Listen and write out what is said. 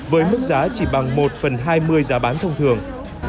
với mức giá chỉ bằng một phần hai mươi giá bán thông thường